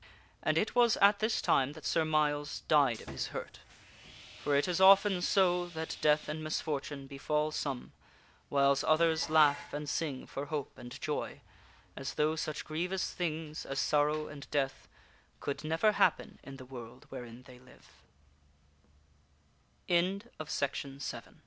And it was at this time that Sir Myles died of his hurt, for it is often so that death and misfortune befall some, whiles others laugh and sing for hope and joy, as though such grievous things as sorrow and death could never happen in the